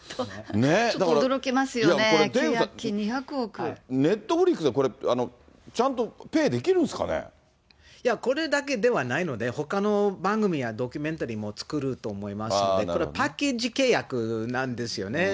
ちょっと驚きますよね、ネットフリックスで、これ、これだけではないので、ほかの番組やドキュメンタリーも作ると思いますので、これはパッケージ契約なんですよね。